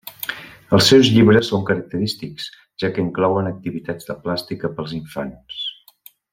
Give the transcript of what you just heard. Els seus llibres són característics, ja que inclouen activitats de plàstica pels infants.